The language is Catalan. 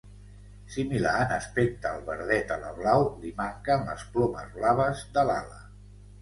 Similar en aspecte al verdet alablau, li manquen les plomes blaves de l'ala.